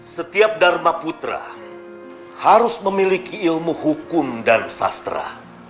setiap dharma putra harus memiliki ilmu hukum dan sastra